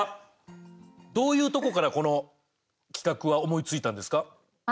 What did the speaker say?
どういうとこからこの企画は思いついたんですか？